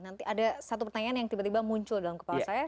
nanti ada satu pertanyaan yang muncul dalam kepala saya